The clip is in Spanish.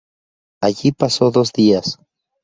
Allí pasó dos días.